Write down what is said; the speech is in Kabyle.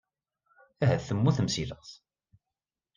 Ahat temmutem seg laẓ.